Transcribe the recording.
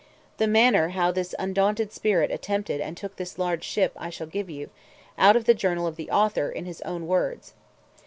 The manner how this undaunted spirit attempted and took this large ship I shall give you, out of the journal of the author, in his own words.